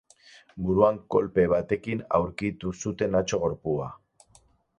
Buruan kolpe batekin aurkitu zuten atzo gorpua.